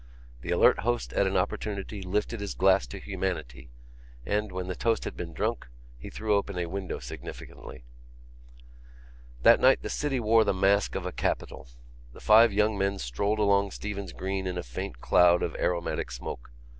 The alert host at an opportunity lifted his glass to Humanity and, when the toast had been drunk, he threw open a window significantly. That night the city wore the mask of a capital. The five young men strolled along Stephen's Green in a faint cloud of aromatic smoke.